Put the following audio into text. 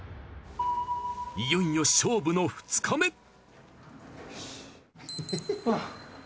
いよいよ勝負の２日目。